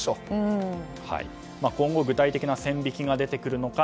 今後具体的な線引きが出てくるのか。